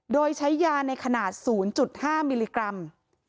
โดยใช้ยาในขนาด๐๕มิลลิกรัม